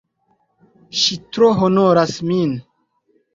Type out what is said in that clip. Ŝi tro honoras min!